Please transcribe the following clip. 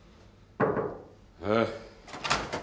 ・ああ。